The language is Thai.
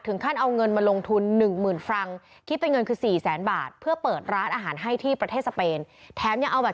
ถึงขั้นเอาเงินมาลงทุน๑๐๐๐๐ฟรังคิดเป็นเงินคือ๔แสนบาท